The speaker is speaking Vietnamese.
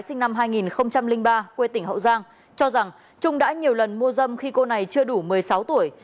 sinh năm hai nghìn ba quê tỉnh hậu giang cho rằng trung đã nhiều lần mua dâm khi cô này chưa đủ một mươi sáu tuổi